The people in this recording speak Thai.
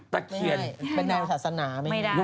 ตานโพป่ะต้องโทรกมาได้ไหม